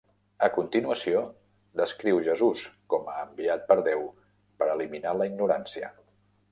A continuació, descriu Jesús com a enviat per Déu per eliminar la ignorància.